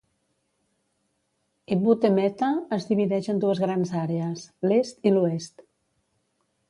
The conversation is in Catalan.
Ebute Metta es divideix en dues grans àrees: l'est i l'oest.